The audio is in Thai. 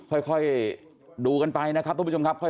อ้าวค่อยดูกันไปนะครับท่านผู้ชมครับ